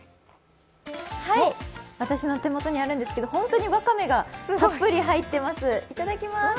私の手元にあるんですけど本当にわかめがたっぷり入っています、いただきます。